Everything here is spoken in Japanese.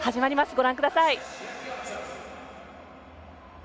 ご覧ください。